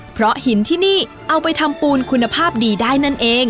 เพราะหินที่นี่เอาไปทำปูนคุณภาพดีได้นั่นเอง